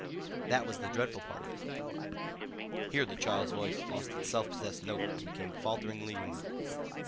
That was the dreadful part of it." Here the child's voice lost its self possessed note and became falteringly human.